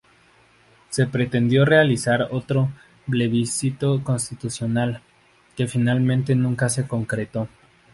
Se pretendió realizar otro plebiscito constitucional, que finalmente nunca se concretó.